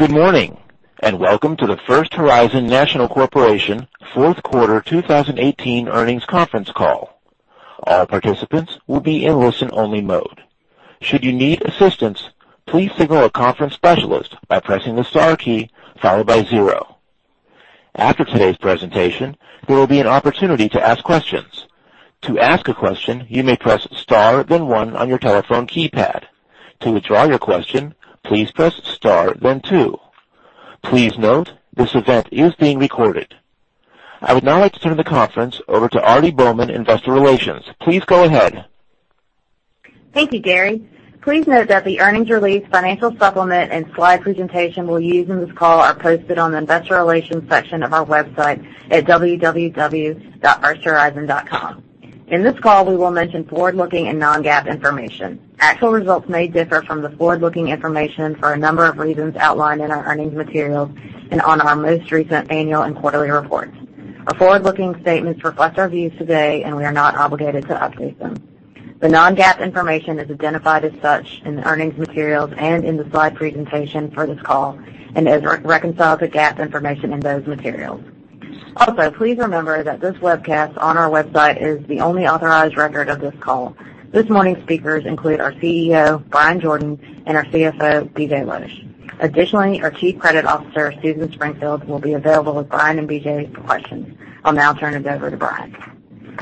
Good morning. Welcome to the First Horizon National Corporation fourth quarter 2018 earnings conference call. All participants will be in listen-only mode. Should you need assistance, please signal a conference specialist by pressing the star key followed by zero. After today's presentation, there will be an opportunity to ask questions. To ask a question, you may press star then one on your telephone keypad. To withdraw your question, please press star then two. Please note, this event is being recorded. I would now like to turn the conference over to Aarti Bowman, Investor Relations. Please go ahead. Thank you, Gary. Please note that the earnings release, financial supplement and slide presentation we will use in this call are posted on the Investor Relations section of our website at www.firsthorizon.com. In this call, we will mention forward-looking and non-GAAP information. Actual results may differ from the forward-looking information for a number of reasons outlined in our earnings materials and on our most recent annual and quarterly reports. Our forward-looking statements reflect our views today, and we are not obligated to update them. The non-GAAP information is identified as such in the earnings materials and in the slide presentation for this call and is reconciled to GAAP information in those materials. Also, please remember that this webcast on our website is the only authorized record of this call. This morning's speakers include our CEO, Bryan Jordan, and our CFO, BJ Losch. Additionally, our Chief Credit Officer, Susan Springfield, will be available with Bryan and BJ for questions. I will now turn it over to Bryan.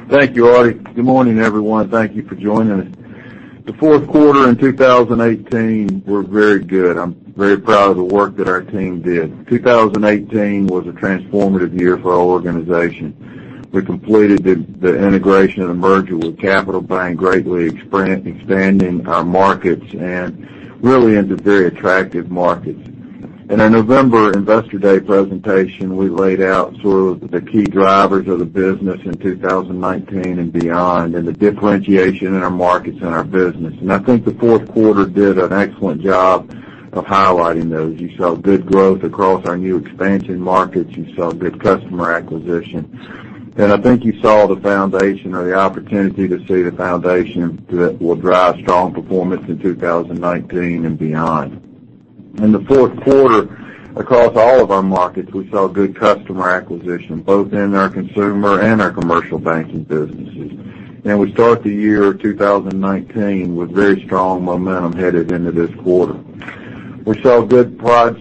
Thank you, Aarti. Good morning, everyone. Thank you for joining us. The fourth quarter in 2018 were very good. I am very proud of the work that our team did. 2018 was a transformative year for our organization. We completed the integration and the merger with Capital Bank, greatly expanding our markets and really into very attractive markets. In our November Investor Day presentation, we laid out sort of the key drivers of the business in 2019 and beyond and the differentiation in our markets and our business. I think the fourth quarter did an excellent job of highlighting those. You saw good growth across our new expansion markets. You saw good customer acquisition. I think you saw the foundation or the opportunity to see the foundation that will drive strong performance in 2019 and beyond. In the fourth quarter, across all of our markets, we saw good customer acquisition, both in our consumer and our commercial banking businesses. We start the year 2019 with very strong momentum headed into this quarter. We saw good progress,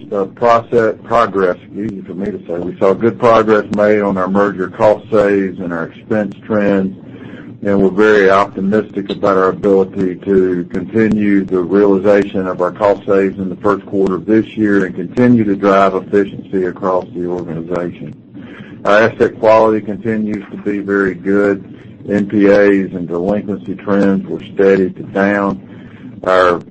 easy for me to say. We saw good progress made on our merger cost saves and our expense trends. We're very optimistic about our ability to continue the realization of our cost saves in the first quarter of this year and continue to drive efficiency across the organization. Our asset quality continues to be very good. NPAs and delinquency trends were steady to down. Our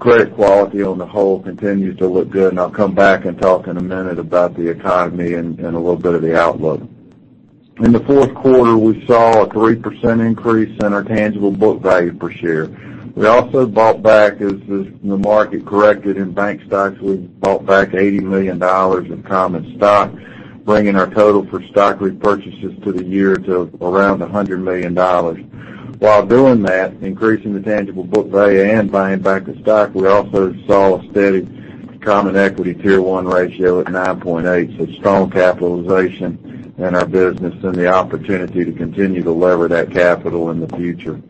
credit quality on the whole continues to look good. I'll come back and talk in a minute about the economy and a little bit of the outlook. In the fourth quarter, we saw a 3% increase in our tangible book value per share. We also bought back, as the market corrected in bank stocks, we bought back $80 million of common stock, bringing our total for stock repurchases to the year to around $100 million. While doing that, increasing the tangible book value and buying back the stock, we also saw a steady common equity tier one ratio at 9.8. Strong capitalization in our business and the opportunity to continue to lever that capital in the future.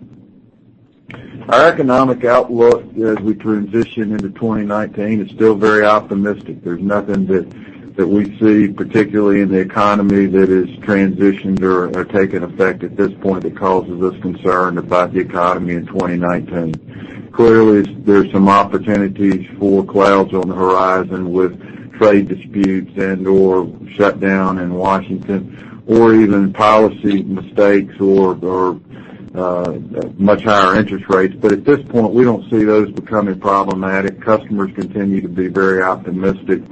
Our economic outlook as we transition into 2019 is still very optimistic. There's nothing that we see, particularly in the economy, that has transitioned or taken effect at this point that causes us concern about the economy in 2019. Clearly, there's some opportunities for clouds on the horizon with trade disputes and/or shutdown in Washington or even policy mistakes or much higher interest rates. At this point, we don't see those becoming problematic. Customers continue to be very optimistic.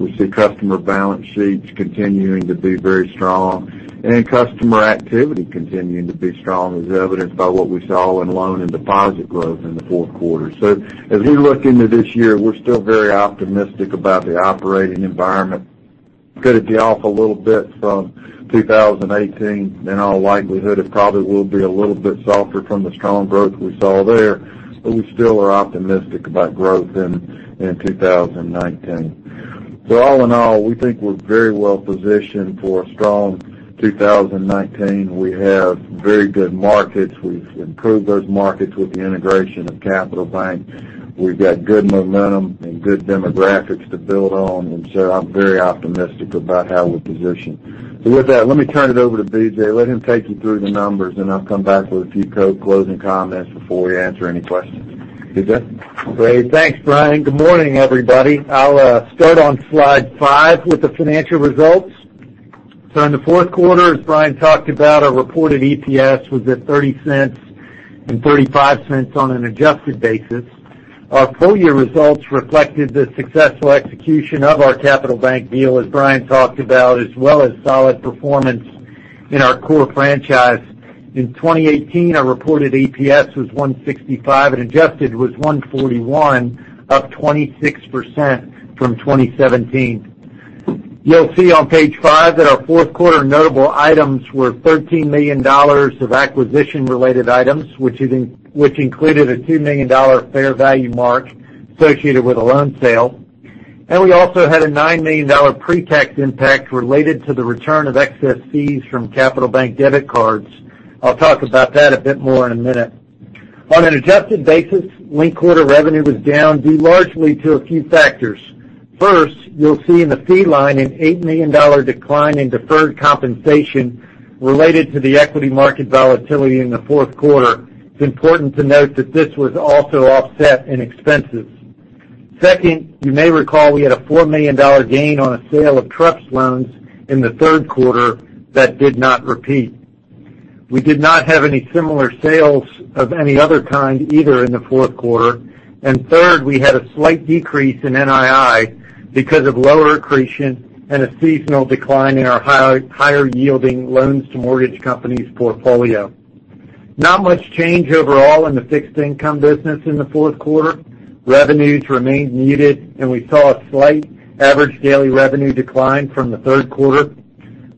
We see customer balance sheets continuing to be very strong and customer activity continuing to be strong, as evidenced by what we saw in loan and deposit growth in the fourth quarter. As we look into this year, we're still very optimistic about the operating environment. Could it be off a little bit from 2018? In all likelihood, it probably will be a little bit softer from the strong growth we saw there. We still are optimistic about growth in 2019. All in all, we think we're very well positioned for a strong 2019. We have very good markets. We've improved those markets with the integration of Capital Bank. We've got good momentum and good demographics to build on. I'm very optimistic about how we're positioned. With that, let me turn it over to BJ, let him take you through the numbers. I'll come back with a few closing comments before we answer any questions. BJ? Great. Thanks, Bryan. Good morning, everybody. I'll start on slide five with the financial results. In the fourth quarter, as Bryan talked about, our reported EPS was at $0.30 and $0.35 on an adjusted basis. Our full-year results reflected the successful execution of our Capital Bank deal, as Bryan talked about, as well as solid performance in our core franchise. In 2018, our reported EPS was $1.65 and adjusted was $1.41, up 26% from 2017. You'll see on page five that our fourth quarter notable items were $13 million of acquisition-related items, which included a $2 million fair value mark associated with a loan sale. We also had a $9 million pre-tax impact related to the return of excess fees from Capital Bank debit cards. I'll talk about that a bit more in a minute. On an adjusted basis, linked quarter revenue was down due largely to a few factors. First, you'll see in the fee line an $8 million decline in deferred compensation related to the equity market volatility in the fourth quarter. It's important to note that this was also offset in expenses. Second, you may recall we had a $4 million gain on a sale of trucks loans in the third quarter that did not repeat. We did not have any similar sales of any other kind either in the fourth quarter. Third, we had a slight decrease in NII because of lower accretion and a seasonal decline in our higher-yielding loans to mortgage companies portfolio. Not much change overall in the fixed income business in the fourth quarter. Revenues remained muted, and we saw a slight average daily revenue decline from the third quarter.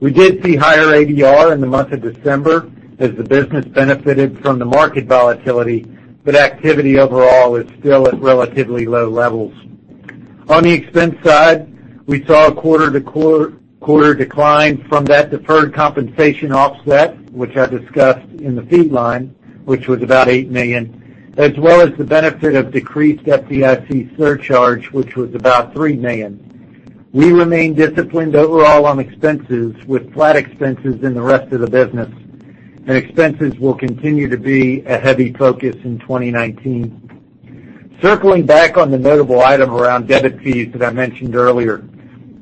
We did see higher ADR in the month of December as the business benefited from the market volatility, but activity overall is still at relatively low levels. On the expense side, we saw a quarter-to-quarter decline from that deferred compensation offset, which I discussed in the fee line, which was about $8 million, as well as the benefit of decreased FDIC surcharge, which was about $3 million. We remain disciplined overall on expenses, with flat expenses in the rest of the business, and expenses will continue to be a heavy focus in 2019. Circling back on the notable item around debit fees that I mentioned earlier.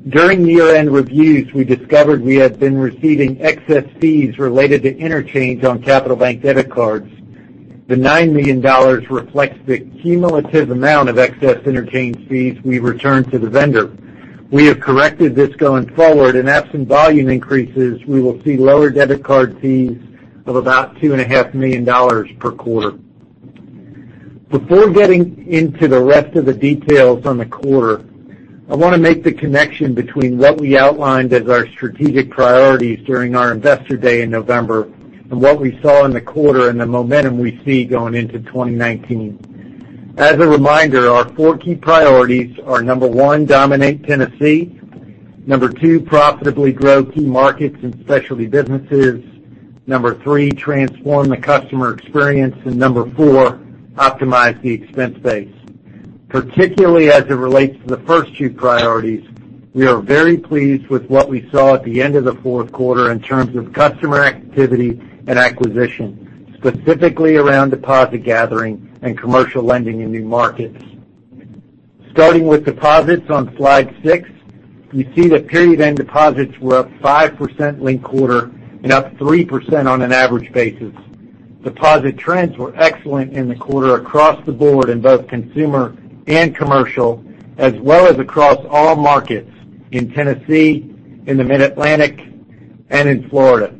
During year-end reviews, we discovered we had been receiving excess fees related to interchange on Capital Bank debit cards. The $9 million reflects the cumulative amount of excess interchange fees we returned to the vendor. We have corrected this going forward, absent volume increases, we will see lower debit card fees of about $2.5 million per quarter. Before getting into the rest of the details on the quarter, I want to make the connection between what we outlined as our strategic priorities during our Investor Day in November and what we saw in the quarter and the momentum we see going into 2019. As a reminder, our four key priorities are, number one, dominate Tennessee, number two, profitably grow key markets and specialty businesses, number three, transform the customer experience, and number four, optimize the expense base. Particularly as it relates to the first two priorities, we are very pleased with what we saw at the end of the fourth quarter in terms of customer activity and acquisition, specifically around deposit gathering and commercial lending in new markets. Starting with deposits on slide six, you see that period-end deposits were up 5% linked quarter and up 3% on an average basis. Deposit trends were excellent in the quarter across the board in both consumer and commercial, as well as across all markets in Tennessee, in the Mid-Atlantic, and in Florida.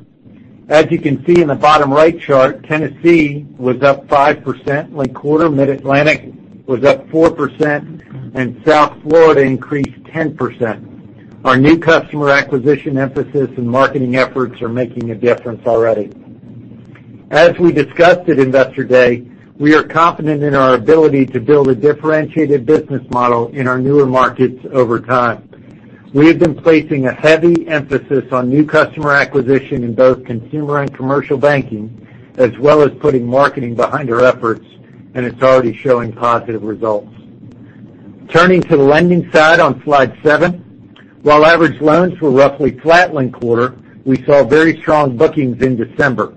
As you can see in the bottom right chart, Tennessee was up 5% linked quarter, Mid-Atlantic was up 4%, and South Florida increased 10%. Our new customer acquisition emphasis and marketing efforts are making a difference already. As we discussed at Investor Day, we are confident in our ability to build a differentiated business model in our newer markets over time. We have been placing a heavy emphasis on new customer acquisition in both consumer and commercial banking, as well as putting marketing behind our efforts, it's already showing positive results. Turning to the lending side on slide seven. While average loans were roughly flat linked quarter, we saw very strong bookings in December.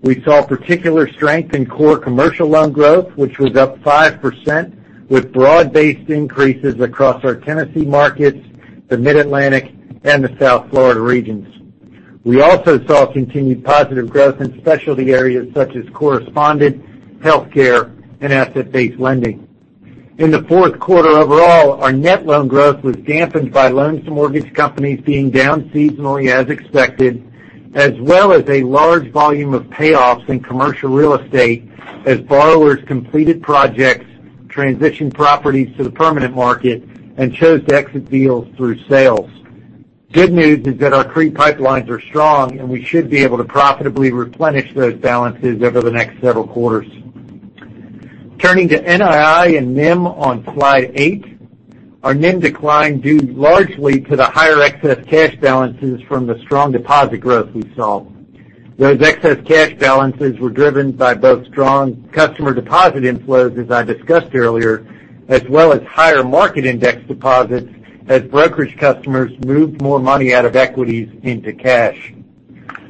We saw particular strength in core commercial loan growth, which was up 5%, with broad-based increases across our Tennessee markets, the Mid-Atlantic, and the South Florida regions. We also saw continued positive growth in specialty areas such as correspondent, healthcare, and asset-based lending. In the fourth quarter overall, our net loan growth was dampened by loans to mortgage companies being down seasonally as expected, as well as a large volume of payoffs in commercial real estate as borrowers completed projects, transitioned properties to the permanent market, and chose to exit deals through sales. Good news is that our CRE pipelines are strong, and we should be able to profitably replenish those balances over the next several quarters. Turning to NII and NIM on slide eight. Our NIM declined due largely to the higher excess cash balances from the strong deposit growth we saw. Those excess cash balances were driven by both strong customer deposit inflows, as I discussed earlier, as well as higher market index deposits as brokerage customers moved more money out of equities into cash.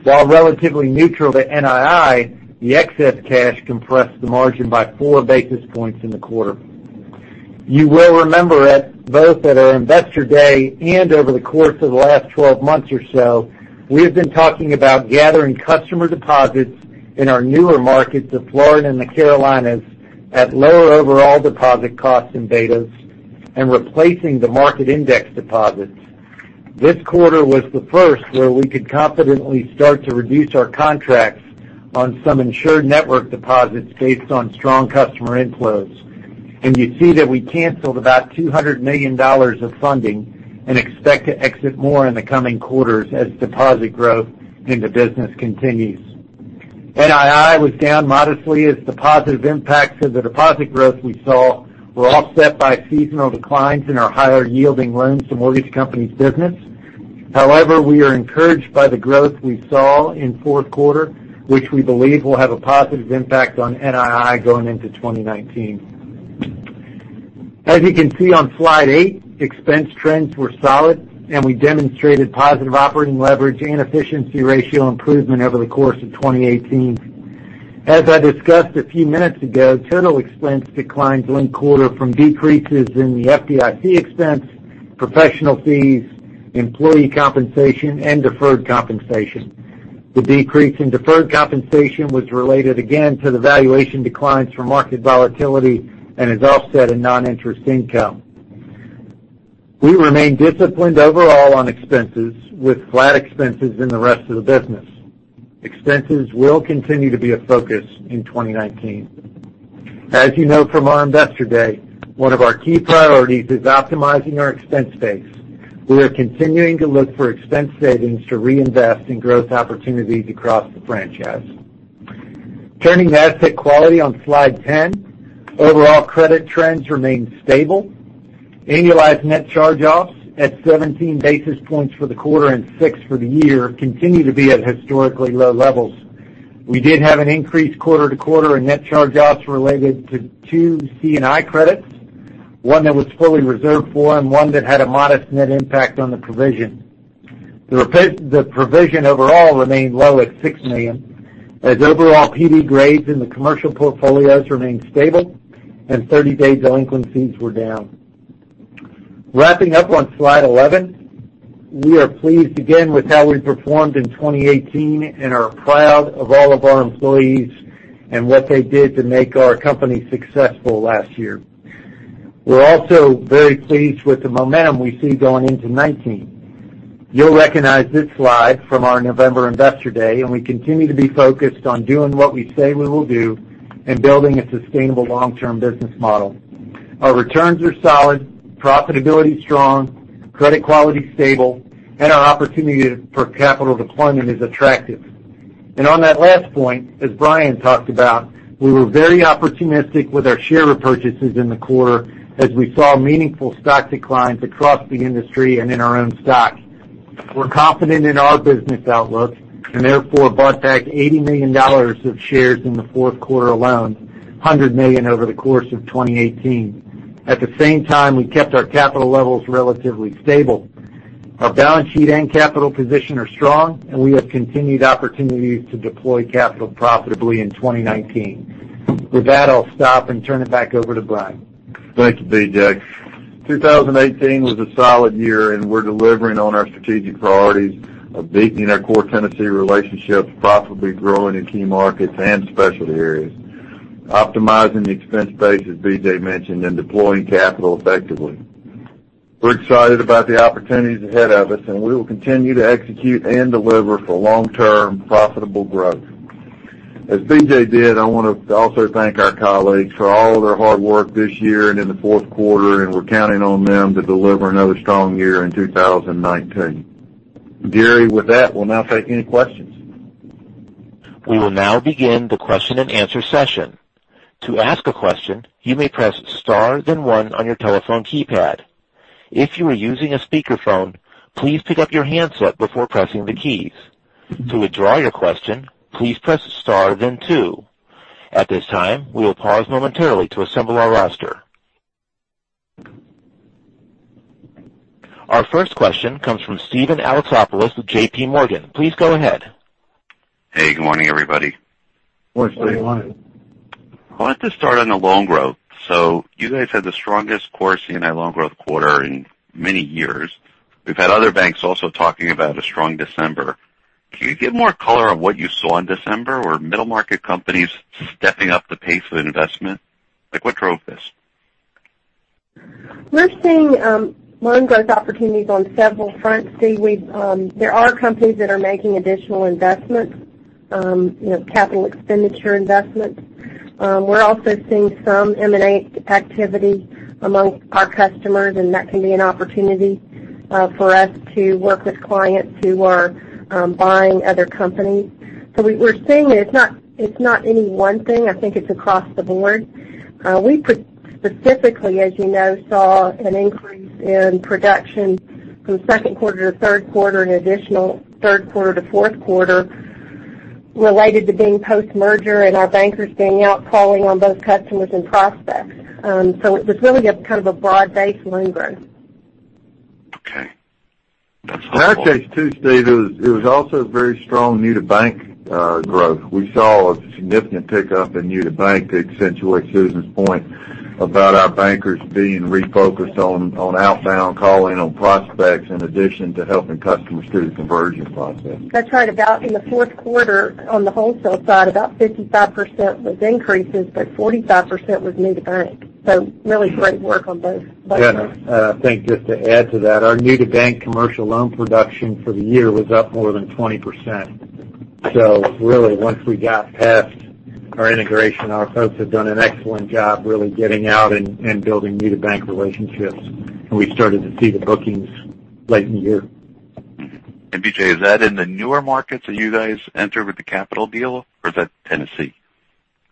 While relatively neutral to NII, the excess cash compressed the margin by four basis points in the quarter. You will remember both at our Investor Day and over the course of the last 12 months or so, we have been talking about gathering customer deposits in our newer markets of Florida and the Carolinas at lower overall deposit costs and betas and replacing the market index deposits. This quarter was the first where we could confidently start to reduce our contracts on some insured network deposits based on strong customer inflows. You see that we canceled about $200 million of funding and expect to exit more in the coming quarters as deposit growth in the business continues. NII was down modestly as the positive impacts of the deposit growth we saw were offset by seasonal declines in our higher-yielding loans to mortgage companies business. However, we are encouraged by the growth we saw in the fourth quarter, which we believe will have a positive impact on NII going into 2019. As you can see on slide eight, expense trends were solid, and we demonstrated positive operating leverage and efficiency ratio improvement over the course of 2018. As I discussed a few minutes ago, total expense declines one quarter from decreases in the FDIC expense, professional fees, employee compensation, and deferred compensation. The decrease in deferred compensation was related again to the valuation declines from market volatility and is offset in non-interest income. We remain disciplined overall on expenses, with flat expenses in the rest of the business. Expenses will continue to be a focus in 2019. As you know from our Investor Day, one of our key priorities is optimizing our expense base. We are continuing to look for expense savings to reinvest in growth opportunities across the franchise. Turning to asset quality on slide 10, overall credit trends remain stable. Annualized net charge-offs at 17 basis points for the quarter and six for the year continue to be at historically low levels. We did have an increase quarter-to-quarter in net charge-offs related to two C&I credits, one that was fully reserved for and one that had a modest net impact on the provision. The provision overall remained low at $6 million, as overall PD grades in the commercial portfolios remained stable and 30-day delinquencies were down. Wrapping up on slide 11, we are pleased again with how we performed in 2018 and are proud of all of our employees and what they did to make our company successful last year. We're also very pleased with the momentum we see going into 2019. You'll recognize this slide from our November Investor Day. We continue to be focused on doing what we say we will do and building a sustainable long-term business model. Our returns are solid, profitability strong, credit quality stable, and our opportunity for capital deployment is attractive. On that last point, as Bryan talked about, we were very opportunistic with our share repurchases in the quarter as we saw meaningful stock declines across the industry and in our own stock. We're confident in our business outlook and therefore bought back $80 million of shares in the fourth quarter alone, $100 million over the course of 2018. At the same time, we kept our capital levels relatively stable. Our balance sheet and capital position are strong, and we have continued opportunities to deploy capital profitably in 2019. With that, I'll stop and turn it back over to Bryan. Thank you, BJ 2018 was a solid year, and we're delivering on our strategic priorities of deepening our core Tennessee relationships, profitably growing in key markets and specialty areas, optimizing the expense base, as BJ mentioned, and deploying capital effectively. We're excited about the opportunities ahead of us, and we will continue to execute and deliver for long-term profitable growth. As BJ did, I want to also thank our colleagues for all of their hard work this year and in the fourth quarter, and we're counting on them to deliver another strong year in 2019. Gary, with that, we'll now take any questions. We will now begin the question and answer session. To ask a question, you may press star then one on your telephone keypad. If you are using a speakerphone, please pick up your handset before pressing the keys. To withdraw your question, please press star then two. At this time, we will pause momentarily to assemble our roster. Our first question comes from Steven Alexopoulos with JPMorgan. Please go ahead. Hey, good morning, everybody. Morning, Steven. Good morning. I wanted to start on the loan growth. You guys had the strongest core C&I loan growth quarter in many years. We've had other banks also talking about a strong December. Can you give more color on what you saw in December? Were middle-market companies stepping up the pace of investment? What drove this? We're seeing loan growth opportunities on several fronts. Steve, there are companies that are making additional investments, capital expenditure investments. We're also seeing some M&A activity amongst our customers, and that can be an opportunity for us to work with clients who are buying other companies. We're seeing that it's not any one thing. I think it's across the board. We specifically, as you know, saw an increase in production from second quarter to third quarter and additional third quarter to fourth quarter related to being post-merger and our bankers being out calling on both customers and prospects. It was really a kind of a broad-based loan growth. Okay. That's helpful. In our case too, Steve, it was also very strong new-to-bank growth. We saw a significant pickup in new to bank to accentuate Susan's point about our bankers being refocused on outbound calling on prospects in addition to helping customers through the conversion process. That's right. In the fourth quarter, on the wholesale side, about 55% was increases, but 45% was new to bank. Really great work on both fronts. Yeah. I think just to add to that, our new to bank commercial loan production for the year was up more than 20%. Really once we got past our integration, our folks have done an excellent job really getting out and building new bank relationships, and we started to see the bookings late in the year. BJ, is that in the newer markets that you guys entered with the Capital deal, or is that Tennessee?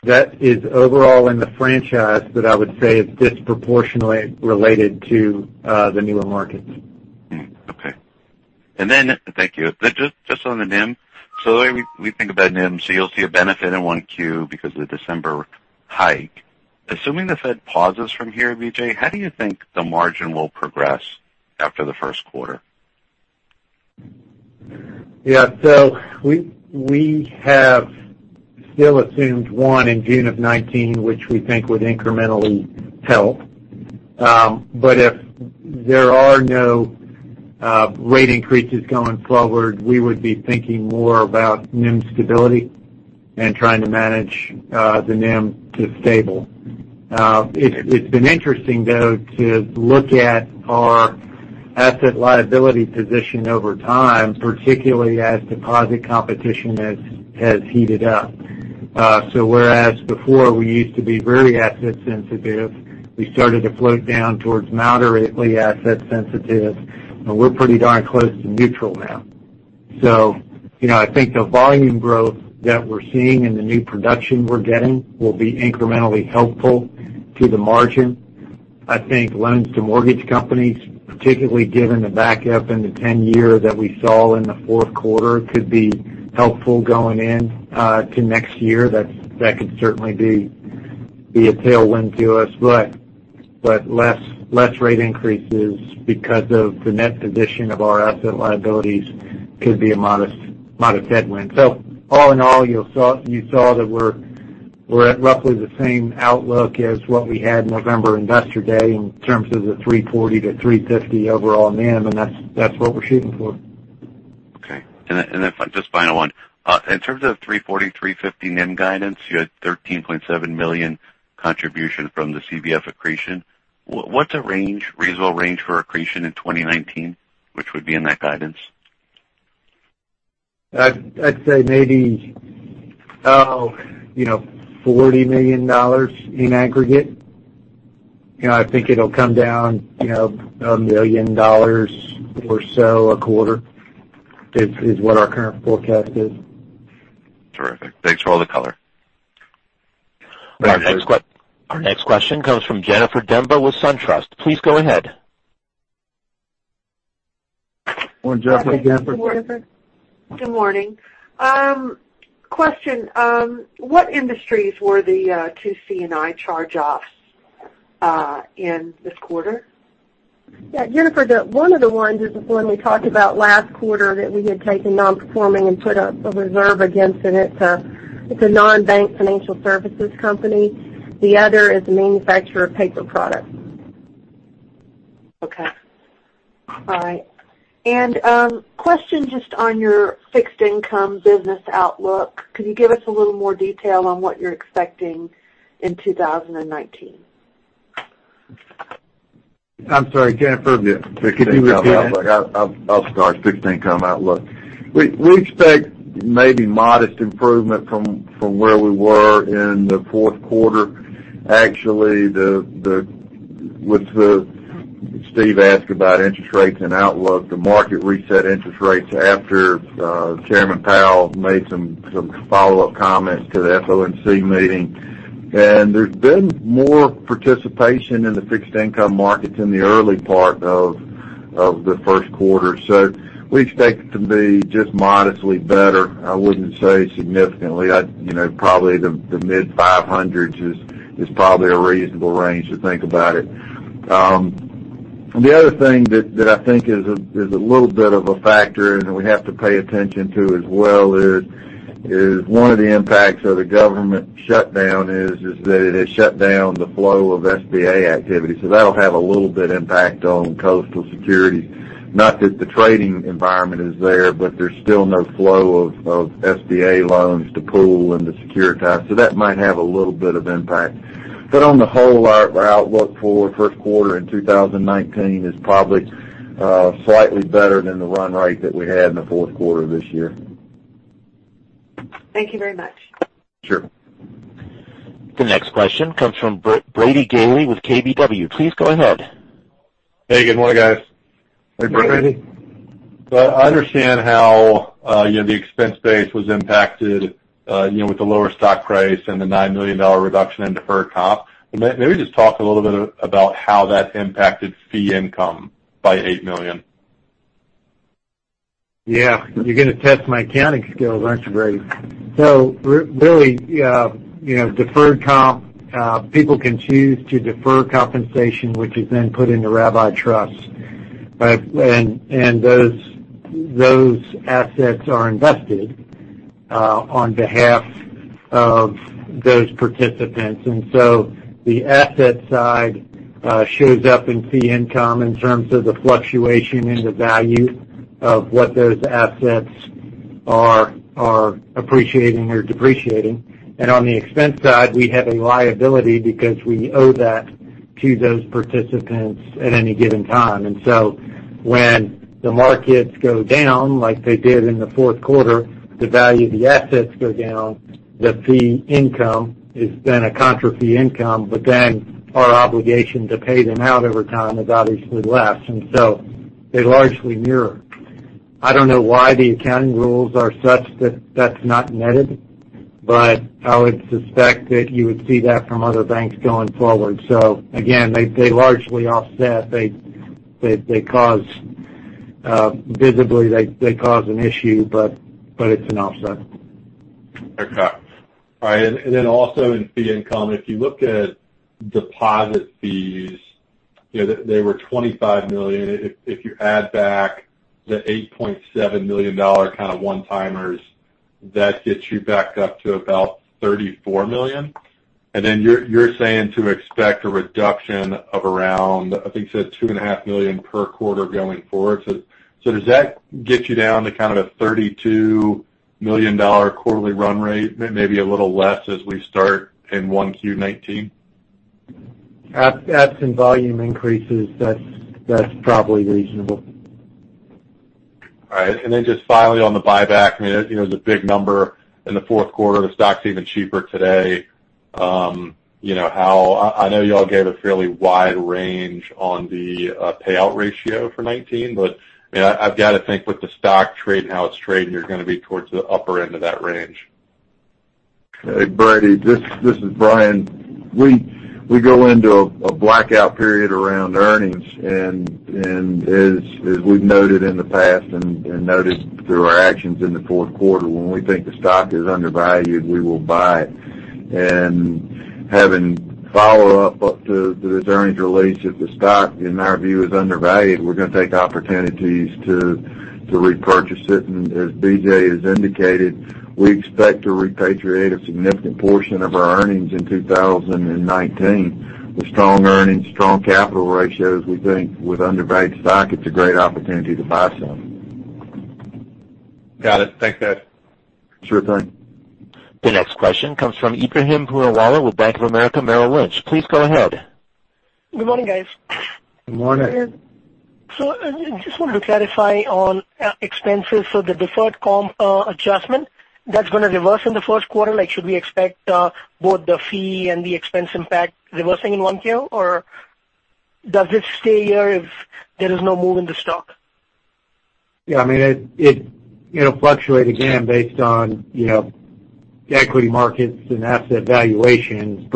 That is overall in the franchise, I would say it's disproportionately related to the newer markets. Hmm, okay. Thank you. Just on the NIM. The way we think about NIM, you'll see a benefit in 1Q because of the December hike. Assuming the Fed pauses from here, BJ, how do you think the margin will progress after the first quarter? Yeah. We have still assumed one in June of 2019, which we think would incrementally help. If there are no rate increases going forward, we would be thinking more about NIM stability and trying to manage the NIM to stable. It's been interesting, though, to look at our asset liability position over time, particularly as deposit competition has heated up. Whereas before we used to be very asset sensitive, we started to float down towards moderately asset sensitive, and we're pretty darn close to neutral now. I think the volume growth that we're seeing and the new production we're getting will be incrementally helpful to the margin. I think loans to mortgage companies, particularly given the back up in the 10-year that we saw in the fourth quarter, could be helpful going in to next year. That could certainly be a tailwind to us, less rate increases because of the net position of our asset liabilities could be a modest headwind. All in all, you saw that we're at roughly the same outlook as what we had November Investor Day in terms of the 3.40%-3.50% overall NIM, and that's what we're shooting for. Okay. Just final one. In terms of 3.40%-3.50% NIM guidance, you had $13.7 million contribution from the CBF accretion. What's a reasonable range for accretion in 2019, which would be in that guidance? I'd say maybe $40 million in aggregate. I think it'll come down, $1 million or so a quarter, is what our current forecast is. Terrific. Thanks for all the color. Our next question comes from Jennifer Demba with SunTrust. Please go ahead. Morning, Jennifer. Good morning. Question. What industries were the two C&I charge-offs in this quarter? Yeah, Jennifer, one of the ones is the one we talked about last quarter that we had taken non-performing and put a reserve against. It's a non-bank financial services company. The other is a manufacturer of paper products. Okay. All right. Question just on your fixed income business outlook. Could you give us a little more detail on what you're expecting in 2019? I'm sorry, Jennifer, could you repeat it? Sure. I'll start. Fixed income outlook. We expect maybe modest improvement from where we were in the fourth quarter. Actually, Steve asked about interest rates and outlook. The market reset interest rates after Jerome Powell made some follow-up comments to the FOMC meeting. There's been more participation in the fixed income markets in the early part of the first quarter. We expect it to be just modestly better. I wouldn't say significantly. Probably the mid 500s is probably a reasonable range to think about it. The other thing that I think is a little bit of a factor and we have to pay attention to as well is, one of the impacts of the government shutdown is that it has shut down the flow of SBA activity. That'll have a little bit impact on FTN Financial. Not that the trading environment is there's still no flow of SBA loans to pool and to securitize. That might have a little bit of impact. On the whole, our outlook for first quarter in 2019 is probably slightly better than the run rate that we had in the fourth quarter of this year. Thank you very much. Sure. The next question comes from Brady Gailey with KBW. Please go ahead. Hey, good morning, guys. Hey, Brady. I understand how the expense base was impacted with the lower stock price and the $9 million reduction in deferred comp. Maybe just talk a little bit about how that impacted fee income by $8 million. Yeah. You're going to test my accounting skills, aren't you, Brady? Really, deferred comp, people can choose to defer compensation, which is then put into Rabbi trusts. Those assets are invested on behalf of those participants. The asset side shows up in fee income in terms of the fluctuation in the value of what those assets are appreciating or depreciating. On the expense side, we have a liability because we owe that to those participants at any given time. When the markets go down, like they did in the fourth quarter, the value of the assets go down, the fee income is then a contra fee income, our obligation to pay them out over time is obviously less. They largely mirror. I don't know why the accounting rules are such that that's not netted, I would suspect that you would see that from other banks going forward. Again, they largely offset. Visibly, they cause an issue, it's an offset. Okay. All right, also in fee income, if you look at deposit fees, they were $25 million. If you add back the $8.7 million kind of one-timers, that gets you back up to about $34 million. You're saying to expect a reduction of around, I think you said $2.5 million per quarter going forward. Does that get you down to kind of a $32 million quarterly run rate, maybe a little less as we start in 1Q 2019? Absent volume increases, that's probably reasonable. All right. Just finally on the buyback, it was a big number in the fourth quarter. The stock's even cheaper today. I know y'all gave a fairly wide range on the payout ratio for 2019, I've got to think with the stock trade and how it's trading, you're going to be towards the upper end of that range. Hey, Brady, this is Bryan. We go into a blackout period around earnings, as we've noted in the past and noted through our actions in the fourth quarter, when we think the stock is undervalued, we will buy it. Having follow-up to this earnings release, if the stock, in our view, is undervalued, we're going to take opportunities to repurchase it. As BJ has indicated, we expect to repatriate a significant portion of our earnings in 2019. With strong earnings, strong capital ratios, we think with undervalued stock, it's a great opportunity to buy some. Got it. Thanks, guys. Sure thing. The next question comes from Ebrahim Poonawala with Bank of America Merrill Lynch. Please go ahead. Good morning, guys. Good morning. I just wanted to clarify on expenses. The deferred comp adjustment, that's going to reverse in the first quarter. Should we expect both the fee and the expense impact reversing in one go, or does it stay here if there is no move in the stock? Yeah, it'll fluctuate again based on equity markets and asset valuations.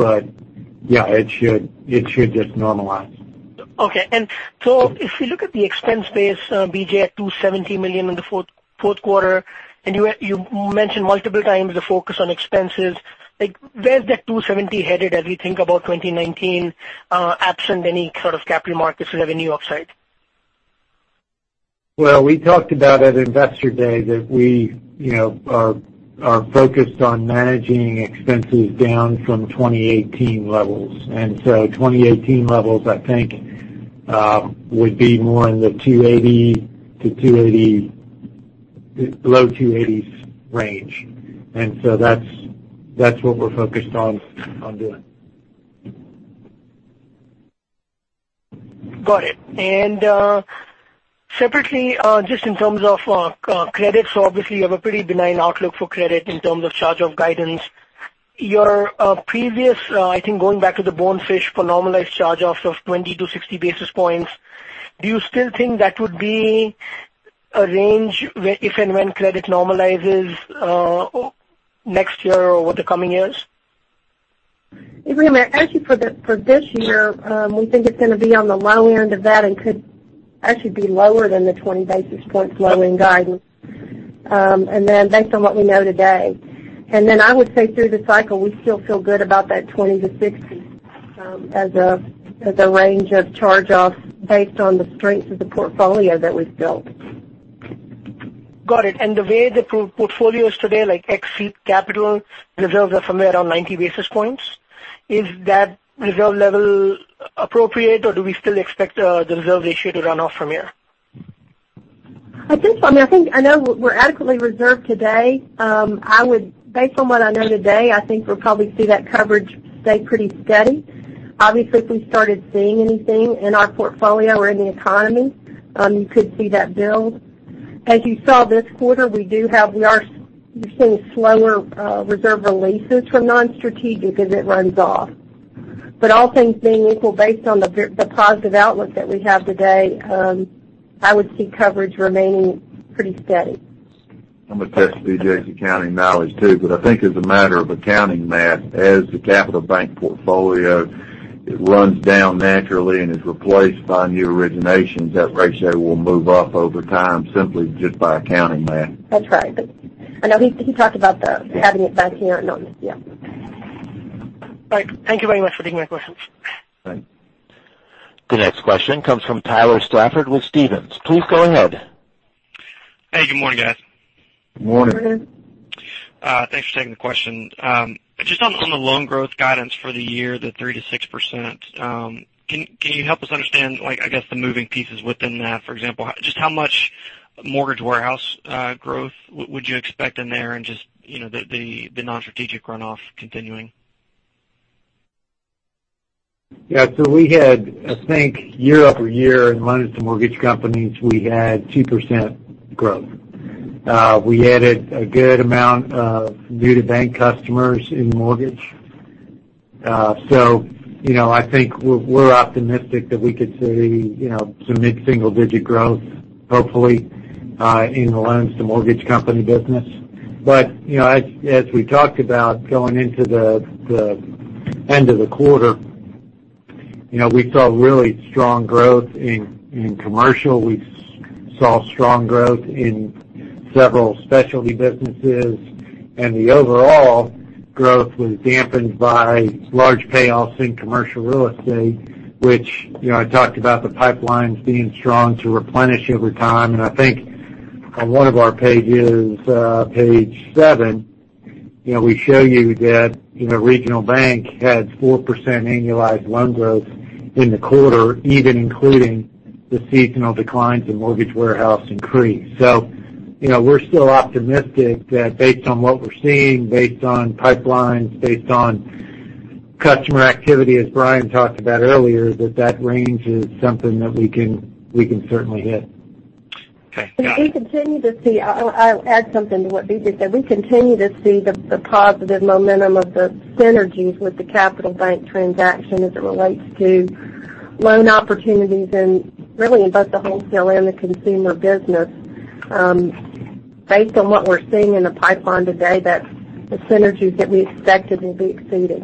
Yeah, it should just normalize. Okay. If we look at the expense base, BJ, at $270 million in the fourth quarter, and you mentioned multiple times the focus on expenses, where's that $270 million headed as we think about 2019, absent any sort of capital markets revenue upside? Well, we talked about at Investor Day that we are focused on managing expenses down from 2018 levels. 2018 levels, I think, would be more in the low $280 million range. That's what we're focused on doing. Got it. Separately, just in terms of credits, obviously, you have a pretty benign outlook for credit in terms of charge-off guidance. Your previous, I think going back to the Bonefish for normalized charge-offs of 20 basis points-60 basis points, do you still think that would be a range if and when credit normalizes next year or over the coming years? Ebrahim, actually for this year, we think it's going to be on the low end of that and could actually be lower than the 20 basis points low end guidance. Based on what we know today. I would say through the cycle, we still feel good about that 20 basis point-60 basis points as a range of charge-offs based on the strength of the portfolio that we've built. Got it. The way the portfolio is today, like ex seed capital, reserves are somewhere around 90 basis points. Is that reserve level appropriate, or do we still expect the reserve ratio to run off from here? I think so. I know we're adequately reserved today. Based on what I know today, I think we'll probably see that coverage stay pretty steady. Obviously, if we started seeing anything in our portfolio or in the economy, you could see that build. As you saw this quarter, we are seeing slower reserve releases from non-strategic as it runs off. All things being equal, based on the positive outlook that we have today, I would see coverage remaining pretty steady. I'm going to test BJ's accounting knowledge too. I think as a matter of accounting math, as the Capital Bank portfolio runs down naturally and is replaced by new originations, that ratio will move up over time simply just by accounting math. That's right. I know he talked about that, having it back here. Yeah. All right. Thank you very much for taking my questions. Bye. The next question comes from Tyler Stafford with Stephens. Please go ahead. Hey, good morning, guys. Good morning. Good morning. Thanks for taking the question. On the loan growth guidance for the year, the 3%-6%, can you help us understand the moving pieces within that? For example, just how much mortgage warehouse growth would you expect in there, and just the non-strategic runoff continuing? We had year-over-year in loans to mortgage companies, we had 2% growth. We added a good amount of new-to-bank customers in mortgage. We're optimistic that we could see some mid-single digit growth in the loans to mortgage company business. As we talked about going into the end of the quarter, we saw really strong growth in commercial, we saw strong growth in several specialty businesses, and the overall growth was dampened by large payoffs in commercial real estate, which I talked about the pipelines being strong to replenish over time. On one of our pages, page seven, we show you that regional bank had 4% annualized loan growth in the quarter, even including the seasonal declines in mortgage warehouse increase. We're still optimistic that based on what we're seeing, based on pipelines, based on customer activity, as Bryan talked about earlier, that that range is something that we can certainly hit. Got it. And we continue to see, I'll add something to what BJ said. We continue to see the positive momentum of the synergies with the Capital Bank transaction as it relates to loan opportunities and really in both the wholesale and the consumer business. Based on what we're seeing in the pipeline today, the synergies that we expected will be exceeded.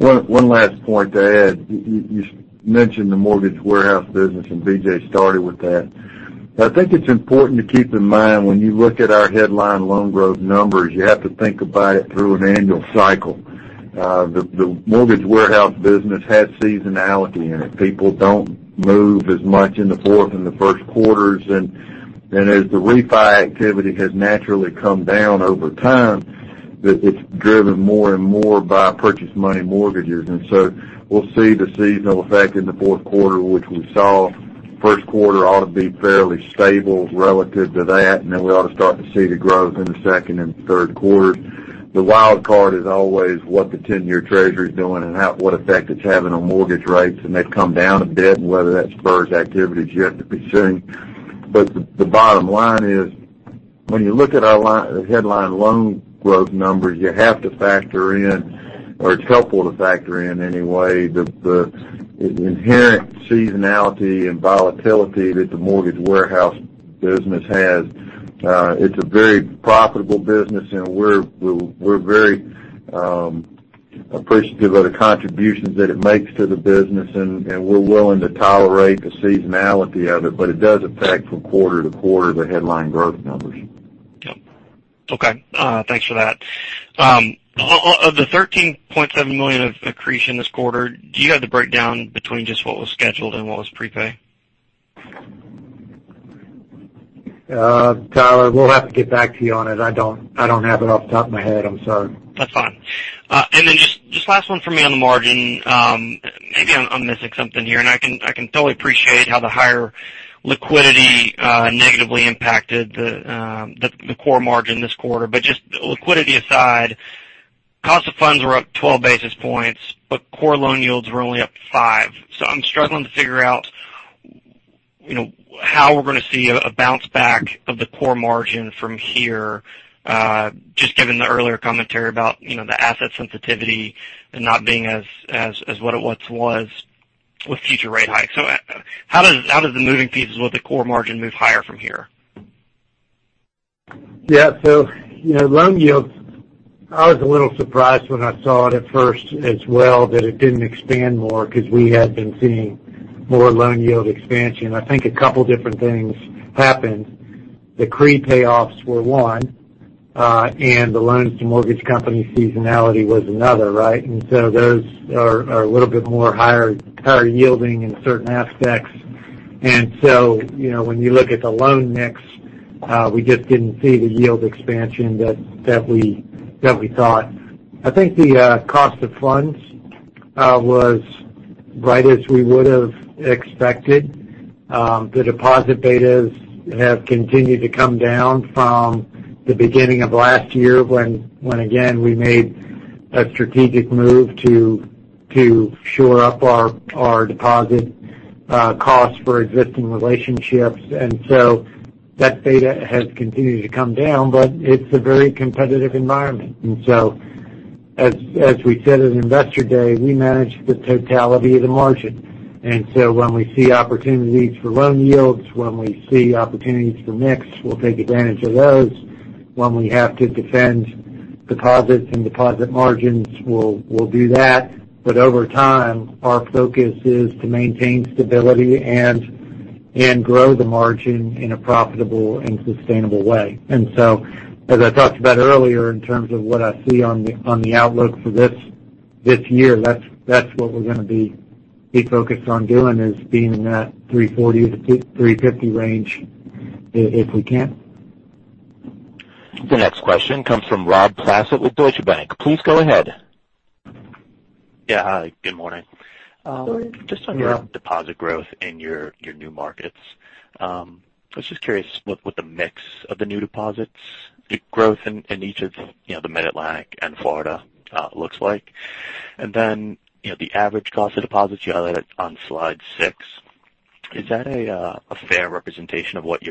One last point to add. You mentioned the mortgage warehouse business. BJ started with that. I think it's important to keep in mind when you look at our headline loan growth numbers, you have to think about it through an annual cycle. The mortgage warehouse business has seasonality in it. People don't move as much in the fourth and the first quarters. As the refi activity has naturally come down over time, that it's driven more and more by purchase money mortgages. We'll see the seasonal effect in the fourth quarter, which we saw first quarter ought to be fairly stable relative to that, then we ought to start to see the growth in the second and third quarter. The wild card is always what the 10-year treasury is doing and what effect it's having on mortgage rates. They've come down a bit, whether that spurs activity is yet to be seen. The bottom line is, when you look at our headline loan growth numbers, you have to factor in, or it's helpful to factor in anyway, the inherent seasonality and volatility that the mortgage warehouse business has. It's a very profitable business. We're very appreciative of the contributions that it makes to the business. We're willing to tolerate the seasonality of it does affect from quarter-to-quarter the headline growth numbers. Yep. Okay. Thanks for that. Of the $13.7 million of accretion this quarter, do you have the breakdown between just what was scheduled and what was prepay? Tyler, we'll have to get back to you on it. I don't have it off the top of my head. I'm sorry. That's fine. Just last one for me on the margin. Maybe I'm missing something here, and I can totally appreciate how the higher liquidity negatively impacted the core margin this quarter. Just liquidity aside, cost of funds were up 12 basis points, but core loan yields were only up five. I'm struggling to figure out how we're going to see a bounce back of the core margin from here, just given the earlier commentary about the asset sensitivity and not being as what it once was with future rate hikes. How does the moving pieces with the core margin move higher from here? Yeah. Loan yields, I was a little surprised when I saw it at first as well, that it didn't expand more because we had been seeing more loan yield expansion. I think a couple different things happened. The CRE payoffs were one, and the loans to mortgage company seasonality was another, right? Those are a little bit more higher yielding in certain aspects. When you look at the loan mix, we just didn't see the yield expansion that we thought. I think the cost of funds was right as we would have expected. The deposit betas have continued to come down from the beginning of last year when, again, we made a strategic move to shore up our deposit costs for existing relationships. That beta has continued to come down, but it's a very competitive environment. As we said at Investor Day, we manage the totality of the margin. When we see opportunities for loan yields, when we see opportunities for mix, we'll take advantage of those. When we have to defend deposits and deposit margins, we'll do that. Over time, our focus is to maintain stability and grow the margin in a profitable and sustainable way. As I talked about earlier in terms of what I see on the outlook for this year, that's what we're going to be focused on doing, is being in that 3.40%-3.50% range if we can. The next question comes from Rob Placet with Deutsche Bank. Please go ahead. Yeah. Hi, good morning. Good morning. Just on your deposit growth in your new markets. I was just curious what the mix of the new deposits growth in each of the Mid-Atlantic and Florida looks like. The average cost of deposits you highlighted on slide six, is that a fair representation of what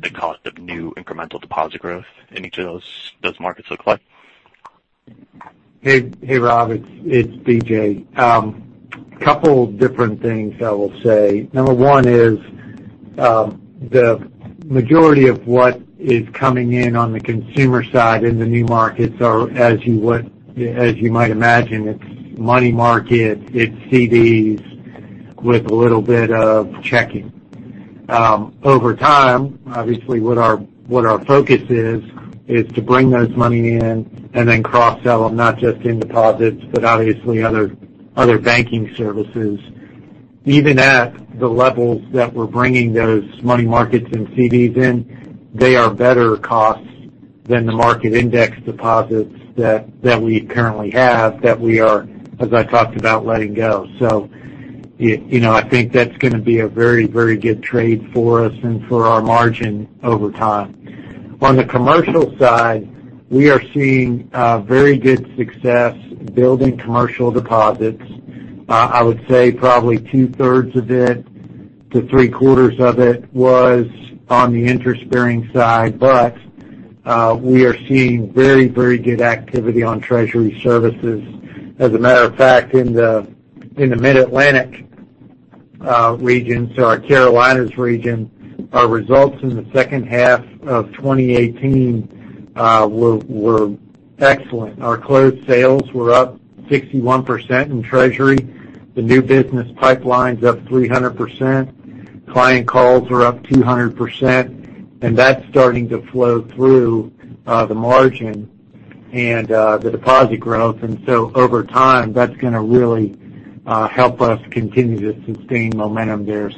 the cost of new incremental deposit growth in each of those markets look like? Hey, Rob. It's BJ. Couple different things I will say. Number one is, the majority of what is coming in on the consumer side in the new markets are, as you might imagine, it's money market, it's CDs, with a little bit of checking. Over time, obviously, what our focus is to bring those money in and then cross-sell them, not just in deposits, but obviously other banking services. Even at the levels that we're bringing those money markets and CDs in, they are better costs than the market index deposits that we currently have that we are, as I talked about, letting go. I think that's going to be a very good trade for us and for our margin over time. On the commercial side, we are seeing very good success building commercial deposits. I would say probably two-thirds of it to three-quarters of it was on the interest-bearing side. We are seeing very good activity on treasury services. As a matter of fact, in the Mid-Atlantic region, so our Carolinas region, our results in the second half of 2018 were excellent. Our closed sales were up 61% in treasury. The new business pipeline's up 300%. Client calls were up 200%. That's starting to flow through the margin and the deposit growth. Over time, that's going to really help us continue to sustain momentum there.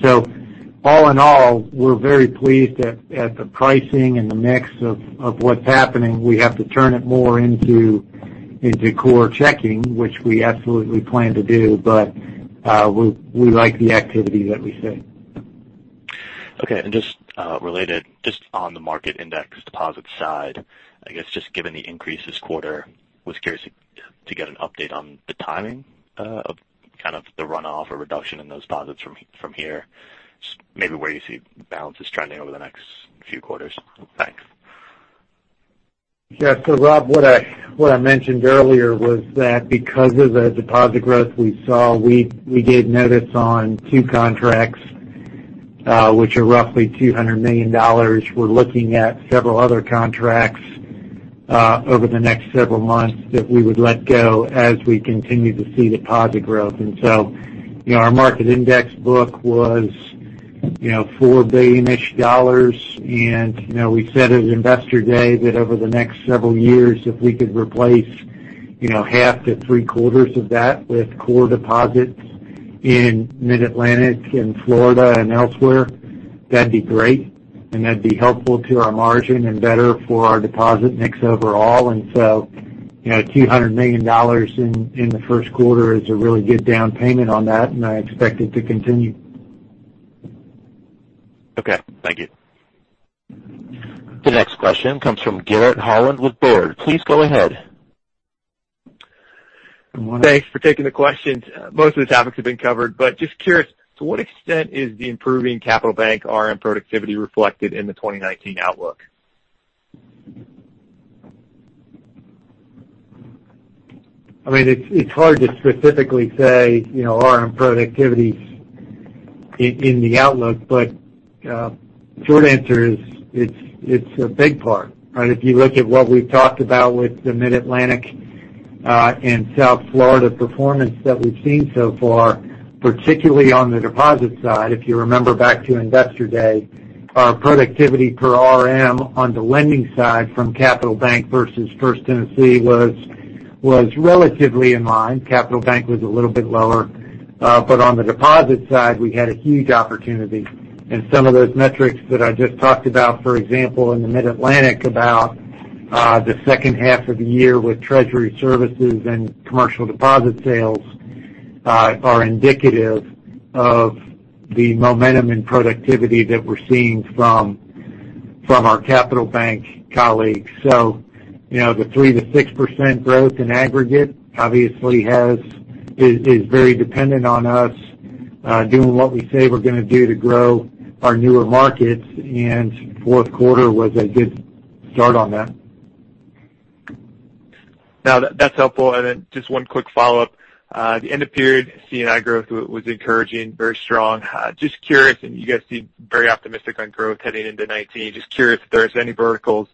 All in all, we're very pleased at the pricing and the mix of what's happening. We have to turn it more into core checking, which we absolutely plan to do. We like the activity that we see. Okay. Just related, just on the market index deposit side, I guess, just given the increase this quarter, was curious to get an update on the timing of kind of the runoff or reduction in those deposits from here. Just maybe where you see balances trending over the next few quarters. Thanks. Yeah. Rob, what I mentioned earlier was that because of the deposit growth we saw, we gave notice on two contracts, which are roughly $200 million. We're looking at several other contracts, over the next several months, that we would let go as we continue to see deposit growth. Our market index book was $4 billion. We said at Investor Day that over the next several years, if we could replace half to three-quarters of that with core deposits in Mid-Atlantic and Florida and elsewhere, that'd be great, and that'd be helpful to our margin and better for our deposit mix overall. $200 million in the first quarter is a really good down payment on that, and I expect it to continue. Okay. Thank you. The next question comes from Garrett Holland with Baird. Please go ahead. Thanks for taking the questions. Most of the topics have been covered, but just curious, to what extent is the improving Capital Bank RM productivity reflected in the 2019 outlook? It's hard to specifically say RM productivity in the outlook, but short answer is, it's a big part, right? If you look at what we've talked about with the Mid-Atlantic and South Florida performance that we've seen so far, particularly on the deposit side, if you remember back to Investor Day, our productivity per RM on the lending side from Capital Bank versus First Tennessee was relatively in line. Capital Bank was a little bit lower. On the deposit side, we had a huge opportunity. Some of those metrics that I just talked about, for example, in the Mid-Atlantic, about the second half of the year with treasury services and commercial deposit sales are indicative of the momentum and productivity that we're seeing from our Capital Bank colleagues. The 3%-6% growth in aggregate obviously is very dependent on us doing what we say we're going to do to grow our newer markets, and fourth quarter was a good start on that. That's helpful. Just one quick follow-up. The end of period C&I growth was encouraging, very strong. Just curious, you guys seem very optimistic on growth heading into 2019, just curious if there is any verticals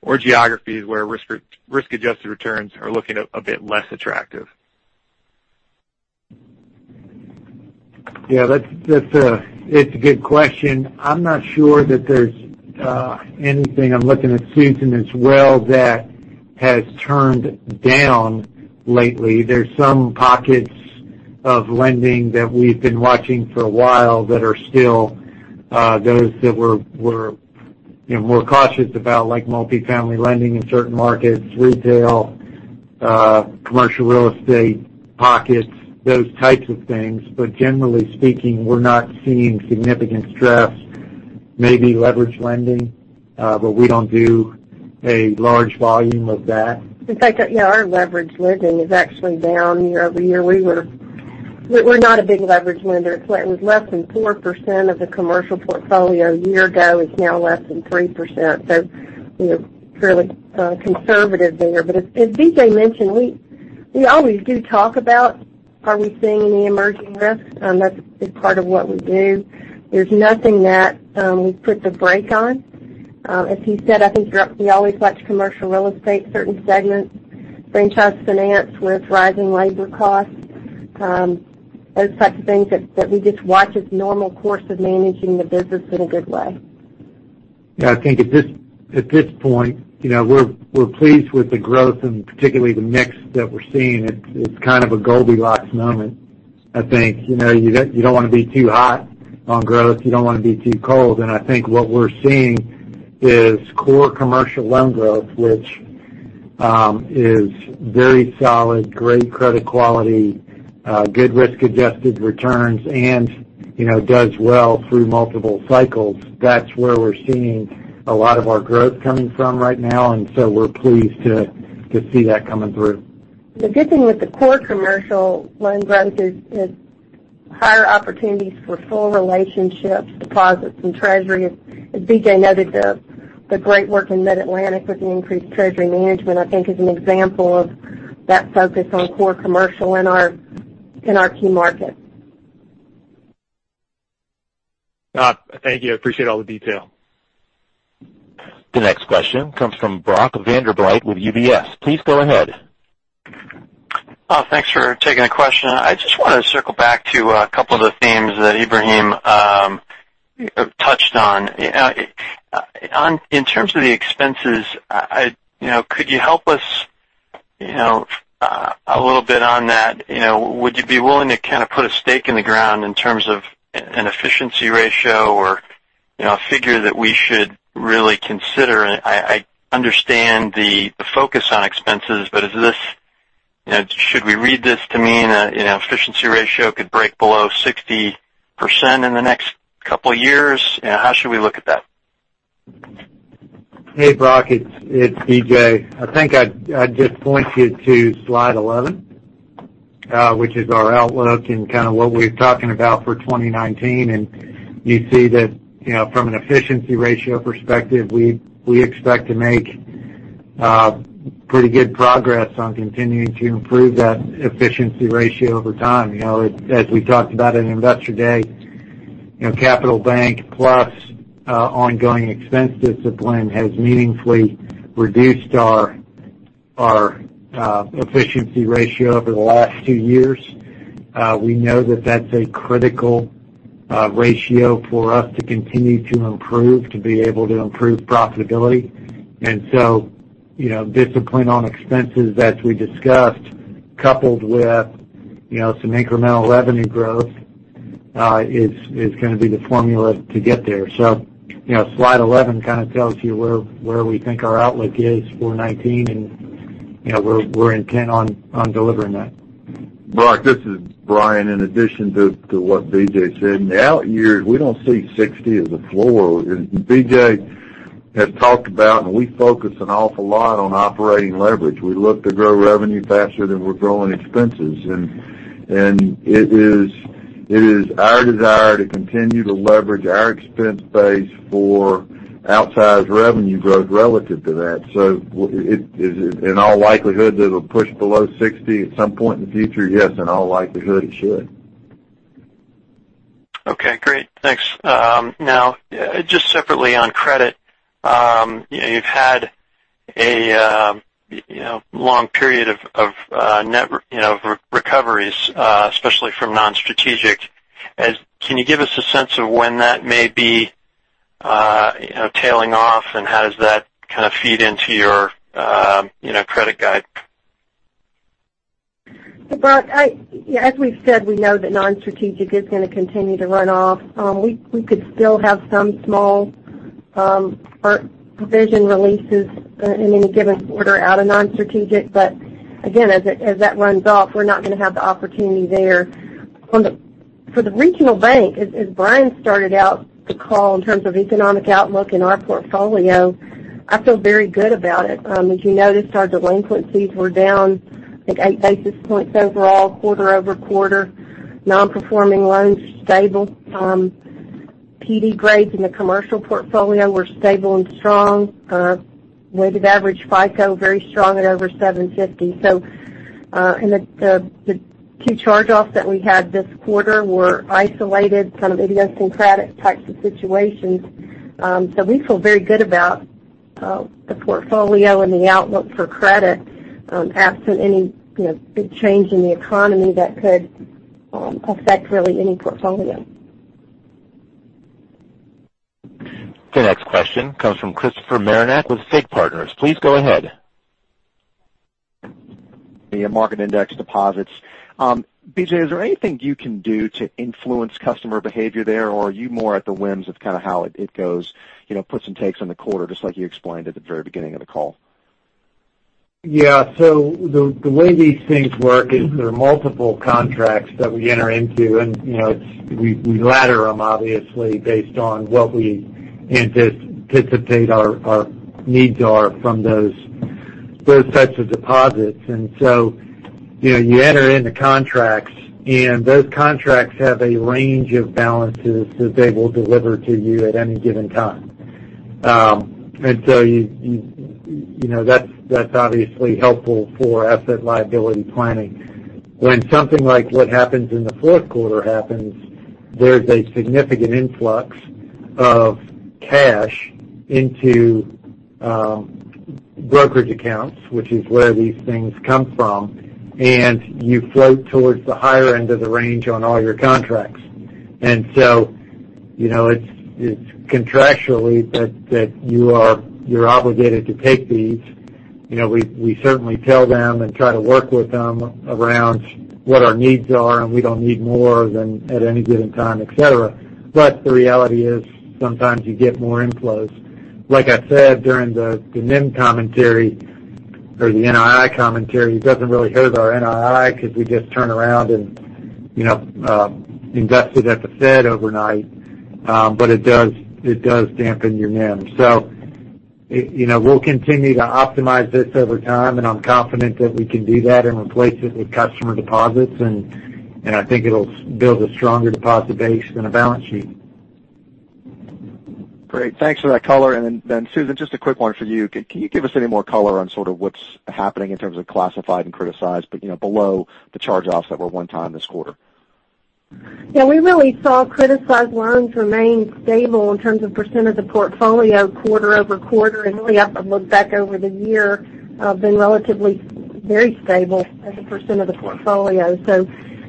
or geographies where risk-adjusted returns are looking a bit less attractive. It's a good question. I'm not sure that there's anything, I'm looking at Susan as well, that has turned down lately. There's some pockets of lending that we've been watching for a while that are still those that we're more cautious about, like multifamily lending in certain markets, retail, commercial real estate pockets, those types of things. Generally speaking, we're not seeing significant stress, maybe leverage lending, but we don't do a large volume of that. In fact, our leverage lending is actually down year-over-year. We're not a big leverage lender. It was less than 4% of the commercial portfolio a year ago, it's now less than 3%. Fairly conservative there. As BJ mentioned, we always do talk about, are we seeing any emerging risks? That's part of what we do. There's nothing that we've put the brake on. As he said, I think we always watch commercial real estate, certain segments, franchise finance with rising labor costs, those types of things that we just watch as normal course of managing the business in a good way. Yeah, I think at this point, we're pleased with the growth and particularly the mix that we're seeing. It's kind of a Goldilocks moment, I think. You don't want to be too hot on growth. You don't want to be too cold. I think what we're seeing is core commercial loan growth, which is very solid, great credit quality, good risk-adjusted returns, and does well through multiple cycles. That's where we're seeing a lot of our growth coming from right now, and so we're pleased to see that coming through. The good thing with the core commercial loan growth is it's higher opportunities for full relationships, deposits, and treasury. As BJ noted, the great work in Mid-Atlantic with the increased treasury management, I think, is an example of that focus on core commercial in our key markets. Thank you. I appreciate all the detail. The next question comes from Brock Vandervliet with UBS. Please go ahead. Thanks for taking a question. I just want to circle back to a couple of the themes that Ebrahim touched on. In terms of the expenses, could you help us a little bit on that? Would you be willing to kind of put a stake in the ground in terms of an efficiency ratio or a figure that we should really consider? I understand the focus on expenses, but should we read this to mean efficiency ratio could break below 60% in the next couple of years? How should we look at that? Hey, Brock, it's BJ. I think I'd just point you to slide 11, which is our outlook and kind of what we're talking about for 2019. You see that from an efficiency ratio perspective, we expect to make pretty good progress on continuing to improve that efficiency ratio over time. As we talked about at Investor Day, Capital Bank plus ongoing expense discipline has meaningfully reduced our efficiency ratio over the last two years. We know that that's a critical ratio for us to continue to improve, to be able to improve profitability. Discipline on expenses, as we discussed, coupled with some incremental revenue growth is going to be the formula to get there. Slide 11 kind of tells you where we think our outlook is for 2019, and we're intent on delivering that. Brock, this is Bryan. In addition to what BJ said, in the out years, we don't see 60 as a floor. BJ has talked about, and we focus an awful lot on operating leverage. We look to grow revenue faster than we're growing expenses. It is our desire to continue to leverage our expense base for outsized revenue growth relative to that. In all likelihood, does it push below 60 at some point in the future? Yes, in all likelihood, it should. Okay, great. Thanks. Just separately on credit, you've had a long period of recoveries, especially from non-strategic. Can you give us a sense of when that may be tailing off, and how does that kind of feed into your credit guide? Brock, as we've said, we know that non-strategic is going to continue to run off. We could still have some small provision releases in any given quarter out of non-strategic. Again, as that runs off, we're not going to have the opportunity there. For the regional bank, as Bryan started out the call in terms of economic outlook and our portfolio, I feel very good about it. As you noticed, our delinquencies were down, I think, eight basis points overall quarter-over-quarter. Non-performing loans stable. PD grades in the commercial portfolio were stable and strong. Weighted average FICO very strong at over 750. The two charge-offs that we had this quarter were isolated, kind of idiosyncratic types of situations. We feel very good about the portfolio and the outlook for credit absent any big change in the economy that could affect really any portfolio. The next question comes from Christopher Marinac with FIG Partners. Please go ahead. The market index deposits. BJ, is there anything you can do to influence customer behavior there, or are you more at the whims of kind of how it goes, puts and takes on the quarter, just like you explained at the very beginning of the call? Yeah. The way these things work is there are multiple contracts that we enter into. We ladder them, obviously, based on what we anticipate our needs are from those types of deposits. You enter into contracts, and those contracts have a range of balances that they will deliver to you at any given time. That's obviously helpful for asset liability planning. When something like what happens in the fourth quarter happens, there's a significant influx of cash into brokerage accounts, which is where these things come from, and you float towards the higher end of the range on all your contracts. It's contractually that you're obligated to take these. We certainly tell them and try to work with them around what our needs are, and we don't need more at any given time, et cetera. The reality is sometimes you get more inflows. Like I said, during the NIM commentary or the NII commentary, it doesn't really hurt our NII because we just turn around and invest it at the Fed overnight. It does dampen your NIM. We'll continue to optimize this over time, and I'm confident that we can do that and replace it with customer deposits, and I think it'll build a stronger deposit base and a balance sheet. Great. Thanks for that color. Susan, just a quick one for you. Can you give us any more color on sort of what's happening in terms of classified and criticized, but below the charge-offs that were one-time this quarter? We really saw criticized loans remain stable in terms of percent of the portfolio quarter-over-quarter, and way up, I've looked back over the year, have been relatively very stable as a percent of the portfolio.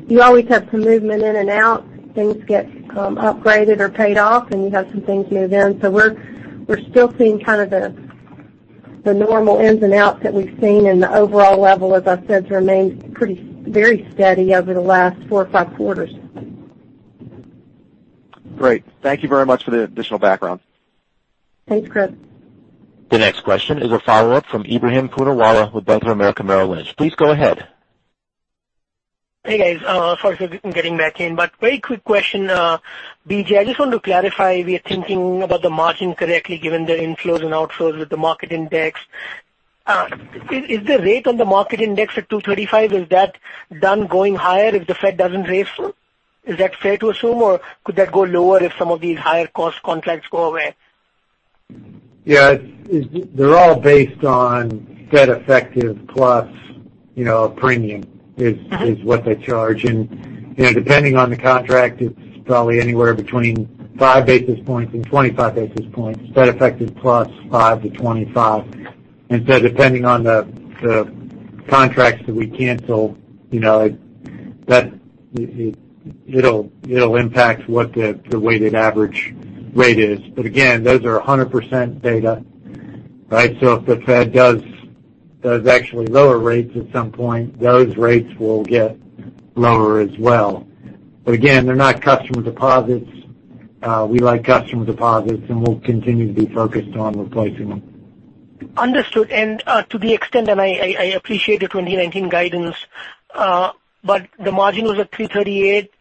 You always have some movement in and out. Things get upgraded or paid off, and you have some things move in. We're still seeing kind of the normal ins and outs that we've seen in the overall level, as I said, to remain very steady over the last four or five quarters. Great. Thank you very much for the additional background. Thanks, Chris. The next question is a follow-up from Ebrahim Poonawala with Bank of America Merrill Lynch. Please go ahead. Hey, guys. Sorry for getting back in. Very quick question. BJ, I just want to clarify we are thinking about the margin correctly given the inflows and outflows with the market index. Is the rate on the market index at 235, is that done going higher if the Fed doesn't raise? Is that fair to assume, or could that go lower if some of these higher cost contracts go away? Yeah. They're all based on Fed effective plus a premium is what they charge. Depending on the contract, it's probably anywhere between five basis points and 25 basis points, Fed effective plus five to 25. Depending on the contracts that we cancel, it'll impact what the weighted average rate is. Again, those are 100% beta, right? If the Fed does actually lower rates at some point, those rates will get lower as well. Again, they're not customer deposits. We like customer deposits, and we'll continue to be focused on replacing them. Understood. To the extent, I appreciate the 2019 guidance, but the margin was at 338,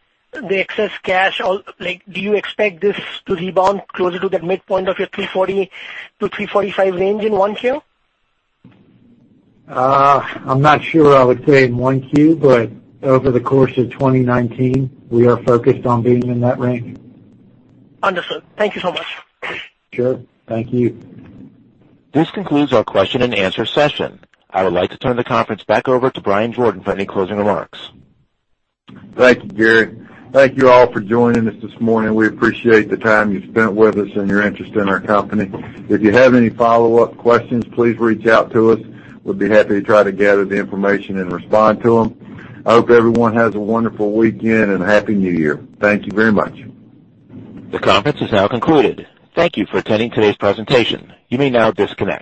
the excess cash, do you expect this to rebound closer to that midpoint of your 340-345 range in 1Q? I'm not sure I would say in 1Q, but over the course of 2019, we are focused on being in that range. Understood. Thank you so much. Sure. Thank you. This concludes our question and answer session. I would like to turn the conference back over to Bryan Jordan for any closing remarks. Thank you, Gary. Thank you all for joining us this morning. We appreciate the time you spent with us and your interest in our company. If you have any follow-up questions, please reach out to us. We'd be happy to try to gather the information and respond to them. I hope everyone has a wonderful weekend and a Happy New Year. Thank you very much. The conference is now concluded. Thank you for attending today's presentation. You may now disconnect.